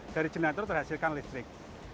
dari generator terhasilkan listrik